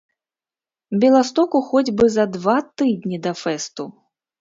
Беластоку хоць бы за два тыдні да фэсту!